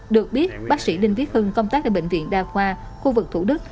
được biết bác sĩ đinh viết hưng công tác tại bệnh viện đa khoa khu vực thủ đức